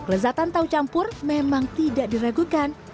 lezatan tahu campur memang tidak diragukan